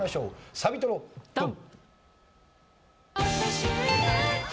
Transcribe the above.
サビトロドン！